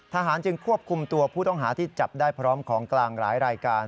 จึงควบคุมตัวผู้ต้องหาที่จับได้พร้อมของกลางหลายรายการ